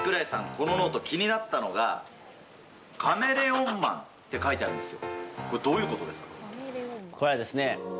このノート気になったのはカメレオンマンって書いてあるんです。